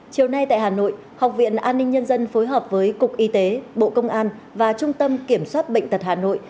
chiều nay tại hà nội học viện an ninh nhân dân phối hợp với cục y tế bộ công an và trung tâm kiểm soát bệnh tật hà nội